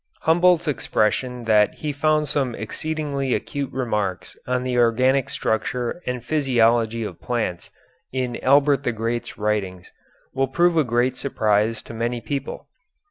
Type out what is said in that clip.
Humboldt's expression that he found some exceedingly acute remarks on the organic structure and physiology of plants in Albert the Great's writings will prove a great surprise to many people.